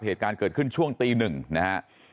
เหตุการณ์เกิดขึ้นช่วงตีหนึ่งนะฮะ